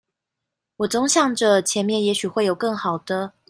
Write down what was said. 我總想著前面也許會有更好的